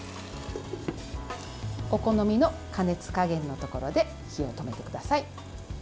お好みの加熱加減のところで火を止めてください。